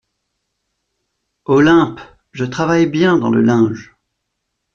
Olympe Je travaille bien dans le linge !